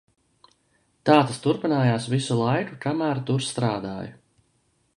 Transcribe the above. Tā tas turpinājās visu laiku, kamēr tur strādāju.